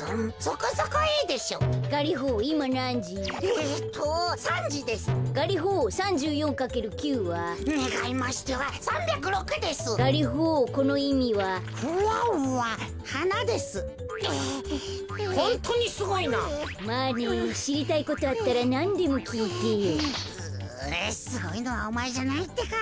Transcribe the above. こころのこえううすごいのはおまえじゃないってか。